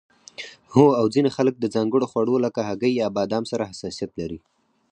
هو او ځینې خلک د ځانګړو خوړو لکه هګۍ یا بادام سره حساسیت لري